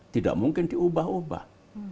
tidak mungkin diubah ubah